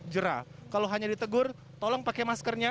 jerah kalau hanya ditegur tolong pakai maskernya